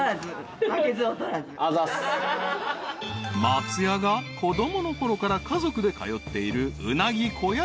［松也が子供のころから家族で通っている］